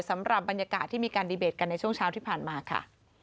สำหรับบรรยากาศที่มีการดีเบตกันในช่วงเช้าที่ผ่านมาค่ะ